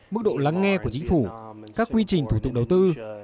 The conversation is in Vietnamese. mức độ lắng nghe của chính phủ các quy trình thủ tục đầu tư